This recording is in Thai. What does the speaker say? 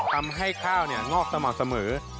ทำให้ข้าวงอกสม่ำเสมอ